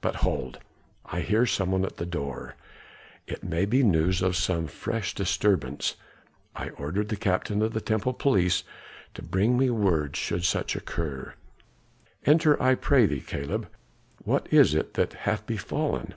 But hold! I hear some one at the door; it may be news of some fresh disturbance, I ordered the captain of the temple police to bring me word should such occur. Enter, I pray thee, Caleb. What is it that hath befallen?"